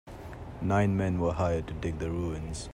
Nine men were hired to dig the ruins.